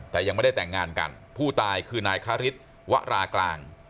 แต่ยังไม่ได้แต่งงานกันผู้ตายคือนายคาริสวรากลาง